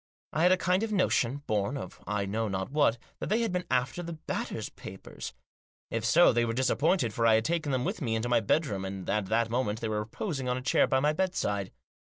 I had a kind of notion, born of I know not what, that they had been after the Batters' papers. If so, they were disappointed, for I had taken them with me into my bedroom, and at that moment they were reposing on a chair by my bedside.